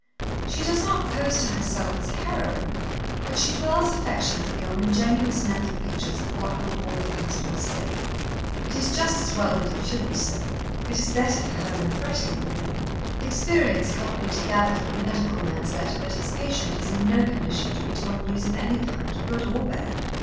She does not pose to herself as a heroine, but she dwells affectionately on ingenuous mental pictures of what Lord Walderhurst will say. It is just as well that it should be so. It is better for her than fretting would be. Experience helped me to gather from the medical man's letter that his patient is in no condition to be told news of any kind, good or bad."